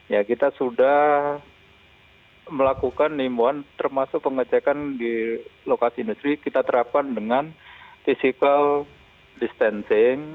ya kita sudah melakukan nimbuan termasuk pengecekan di lokasi industri kita terapkan dengan physical distancing